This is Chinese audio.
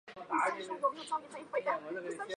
本属的化石物种存在于渐新世到上新世的欧洲。